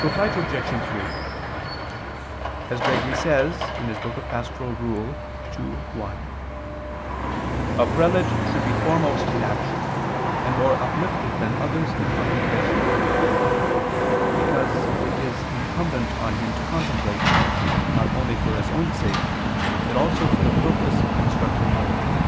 Reply Obj. 3: As Gregory says (Pastor. ii, 1), "a prelate should be foremost in action, and more uplifted than others in contemplation," because it is incumbent on him to contemplate, not only for his own sake, but also for the purpose of instructing others.